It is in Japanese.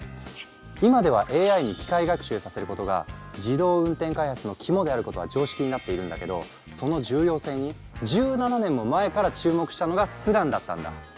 今ではＡＩに機械学習させることが自動運転開発の肝であることは常識になっているんだけどその重要性に１７年も前から注目したのがスランだったんだ。